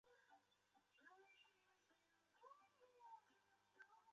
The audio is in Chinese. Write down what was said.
有时作为一种精神或宗教的实践被运用。